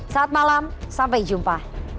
selamat malam sampai jumpa